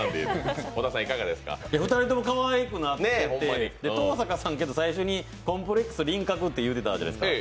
２人ともかわいくなってて登坂さん、最初にコンプレックス輪郭って言うてたじゃないですか。